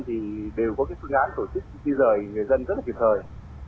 thì đều có phương án tổ chức chữa cháy rừng người dân rất là kịp thời